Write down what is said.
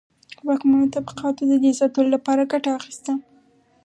واکمنو طبقاتو د دې د ساتلو لپاره ګټه اخیسته.